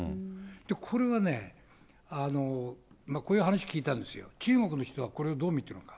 これはね、こういう話聞いたんですよ、中国の人はこれをどう見ているのか。